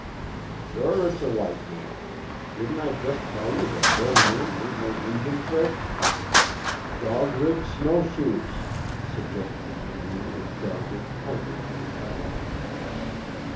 "Sure it's a white man. Didn't I jest tell you that burnin' in ain't no Injun trick?" "Dog Rib snowshoes," suggested the Indian in jargon, pointing to the tracks.